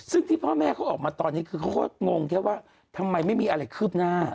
ซึ่งที่พ่อแม่เขาออกมาตอนนี้คือเขาก็งงแค่ว่าทำไมไม่มีอะไรคืบหน้า